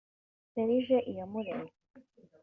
Serge Iyamuremye